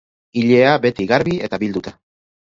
Ilea beti garbi eta bilduta.